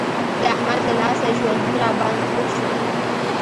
د احمد له لاسه ژوندون را باندې تريخ شو.